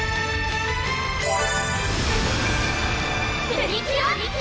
プリキュア！